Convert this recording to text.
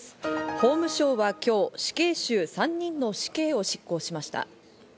法務省は今日、死刑囚３人の死刑を執行しました。